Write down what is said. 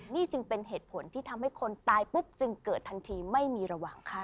นี่จึงเป็นเหตุผลที่ทำให้คนตายปุ๊บจึงเกิดทันทีไม่มีระหว่างค่ะ